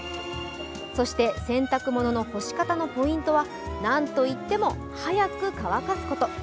そして、洗濯物の干し方のポイントは何といっても早く乾かすこと。